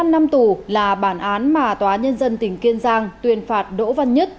một mươi năm năm tù là bản án mà tòa nhân dân tỉnh kiên giang tuyên phạt đỗ văn nhất